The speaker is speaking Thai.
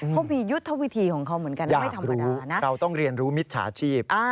เขามียุทธวิธีของเขาเหมือนกันนะไม่ธรรมดานะเราต้องเรียนรู้มิจฉาชีพ